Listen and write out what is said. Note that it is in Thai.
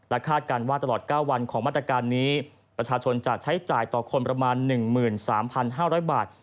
คาดการณ์ว่าตลอด๙วันของมาตรการนี้ประชาชนจะใช้จ่ายต่อคนประมาณ๑๓๕๐๐บาท